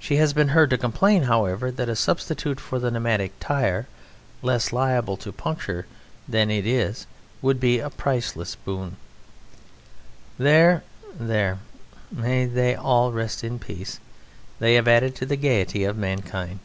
She has been heard to complain, however, that a substitute for the pneumatic tyre less liable to puncture than it is would be a priceless boon." There! There! May they all rest in peace! They have added to the gaiety of mankind.